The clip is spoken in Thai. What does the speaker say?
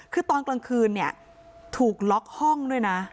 คือตอนกลางคืนเนี่ยถูกล็อกห้องด้วยนะ